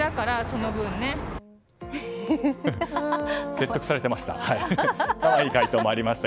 説得されてました。